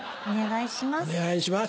お願いします。